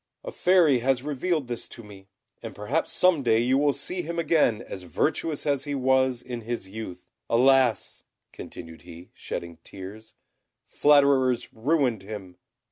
A Fairy has revealed this to me, and perhaps some day you will see him again as virtuous as he was in his youth. Alas!" continued he, shedding tears, "flatterers ruined him.